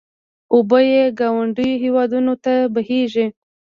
اوبه یې ګاونډیو هېوادونو ته بهېږي.